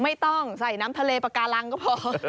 ไม่ต้องใส่น้ำทะเลปากาลังก็พอ